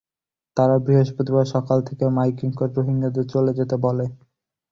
তারা বৃহস্পতিবার সকাল থেকে মাইকিং করে রোহিঙ্গাদের চলে যেতে বলে।